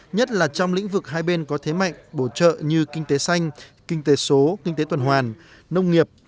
nhất là trong lĩnh vực hai bên có thế mạnh bổ trợ như kinh tế xanh kinh tế số kinh tế tuần hoàn nông nghiệp